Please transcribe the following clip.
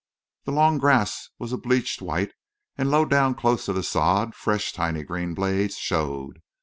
The long grass was a bleached white, and low down close to the sod fresh tiny green blades showed.